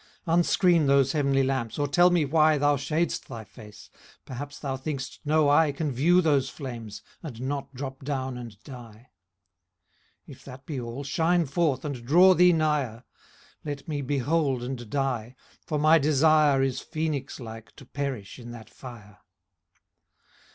Unscreen those heav'nly lamps, or tell me why Thou shad'st thy face ; perhaps thou think'st no eye Can view those flames, and not drop down and die. If that be all, shine forth and draw thee nigher ; Let me behold and die, for my desire Is, phcenix like, to perish in that fire.